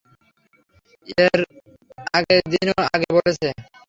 এর আগের দিনও আগে বলেছে!